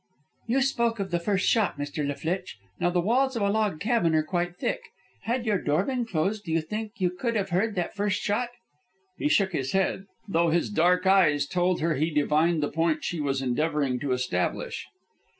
"You spoke of the first shot, Mr. La Flitche. Now, the walls of a log cabin are quite thick. Had your door been closed, do you think you could have heard that first shot?" He shook his head, though his dark eyes told her he divined the point she was endeavoring to establish.